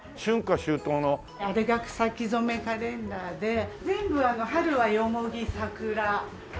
あれが草木染カレンダーで全部春は蓬桜。